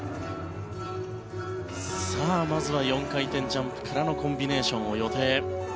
まずは４回転ジャンプからのコンビネーションを予定。